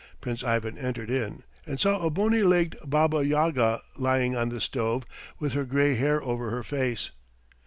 Prince Ivan entered in, and saw a bony legged Baba Yaga lying on the stove with her grey hair over her face.